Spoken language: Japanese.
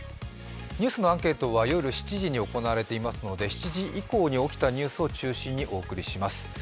ニュースのアンケートは夜７時に行われていますので７時以降に起きたニュースを中心にお伝えします。